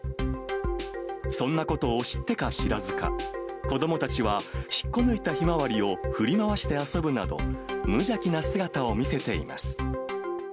そんなことを知ってか知らずか、子どもたちは、引っこ抜いたヒマワリを振り回して遊ぶなど、無邪気な姿を見せています。